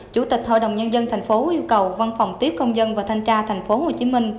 chủ tịch hội đồng nhân dân thành phố yêu cầu văn phòng tiếp công dân và thanh tra tp hcm